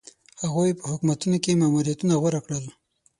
هغوی په حکومتونو کې ماموریتونه غوره کړل.